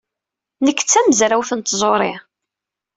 Nekk d tamezrawt n tẓuri.